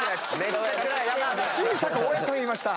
小さく「オェ」と言いました。